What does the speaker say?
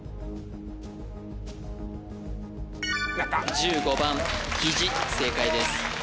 １５番キジ正解です